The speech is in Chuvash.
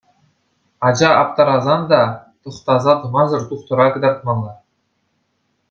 Ача аптӑрасан та тӑхтаса тӑмасӑр тухтӑра кӑтартмалла.